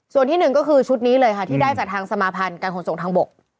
ส่วนที่หนึ่งก็คือชุดนี้เลยค่ะที่ได้จากทางสมาพันธ์การขนส่งทางบก